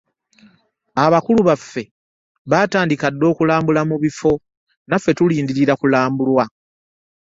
AbakuIu baffe baatandika dda okulambula mu bifo, naffe tulindirira okulambulwa.